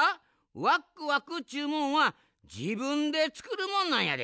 ワックワクっちゅうもんはじぶんでつくるもんなんやで。